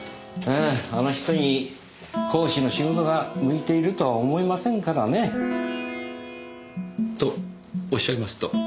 あの人に講師の仕事が向いているとは思えませんからね。とおっしゃいますと？